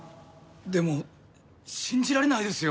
でも信じられないですよ。